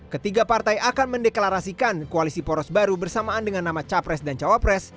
ketiga partai akan mendeklarasikan koalisi poros baru bersamaan dengan nama capres dan cawapres